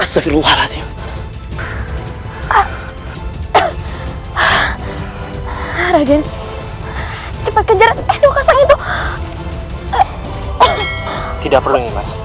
cepet cepet eno kasang itu tidak perlu